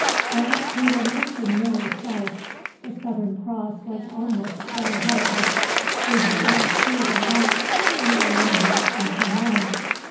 "Well, we were marching nearly south. The Southern Cross was almost dead ahead of us. We had better steer by that, and go on ahead until morning."